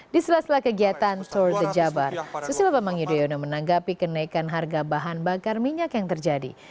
di sela sela kegiatan tour the jabar susilo bambang yudhoyono menanggapi kenaikan harga bahan bakar minyak yang terjadi